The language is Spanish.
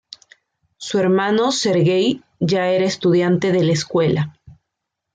Su hermano Serguei ya era estudiante de la Escuela.